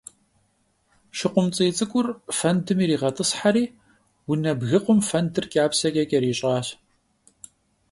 ШыкъумцӀий цӀыкӀур фэндым иригъэтӀысхьэри унэ бгыкъум фэндыр кӀапсэкӀэ кӀэрищӀащ.